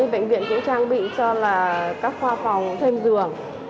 bệnh viện cũng trang bị cho các khoa phòng thêm giường